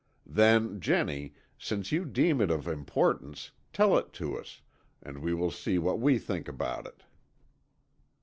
"Then, Jennie, since you deem it of importance, tell it to us, and we will see what we think about it."